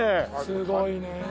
すごいね。